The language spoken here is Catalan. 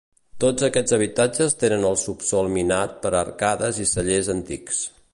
Tots aquests habitatges tenen el subsòl minat per arcades i cellers antics.